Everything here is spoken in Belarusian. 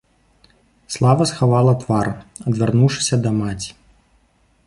Слава схавала твар, адвярнуўшыся да маці.